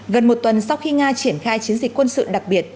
gần một tuần sau khi nga triển khai chiến dịch quân sự đặc biệt